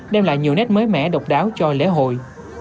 đem lại nhiều nét mới mẻ độc đáo cho lễ hội